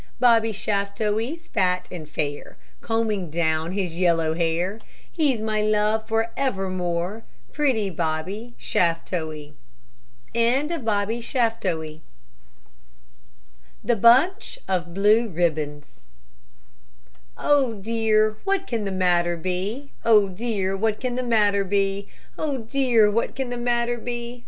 Bobby Shaftoe's fat and fair, Combing down his yellow hair; He's my love for evermore, Pretty Bobby Shaftoe. THE BUNCH OF BLUE RIBBONS Oh, dear, what can the matter be? Oh, dear, what can the matter be? Oh, dear, what can the matter be?